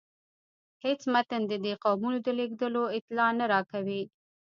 هیڅ متن د دې قومونو د لیږدیدلو اطلاع نه راکوي.